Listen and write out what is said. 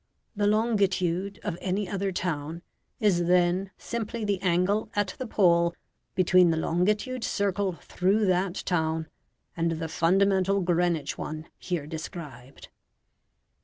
The longitude of any other town is then simply the angle at the pole between the longitude circle through that town and the fundamental Greenwich one here described.